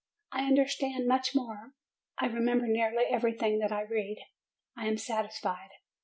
I understand much more: I remember nearly everything that I read. I am satisfied.